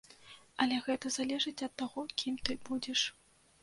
Але гэта залежыць ад таго, кім ты будзеш.